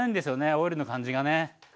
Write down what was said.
オイルの感じがね。